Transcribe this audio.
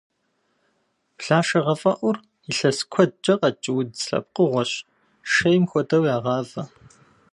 Блэшэгъэфӏэӏур илъэс куэдкӏэ къэкӏ удз лъэпкъыгъуэщ, шейм хуэдэу ягъавэ.